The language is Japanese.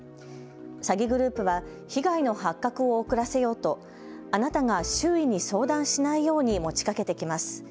詐欺グループは被害の発覚を遅らせようとあなたが周囲に相談しないように持ちかけてきます。